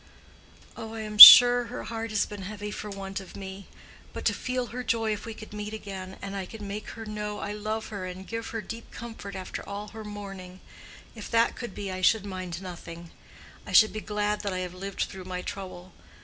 "Ah, I am sure her heart has been heavy for want of me. But to feel her joy if we could meet again, and I could make her know I love her and give her deep comfort after all her mourning! If that could be, I should mind nothing; I should be glad that I have lived through my trouble.